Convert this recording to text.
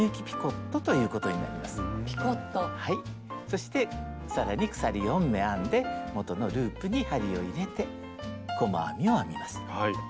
そして更に鎖４目編んで元のループに針を入れて細編みを編みます。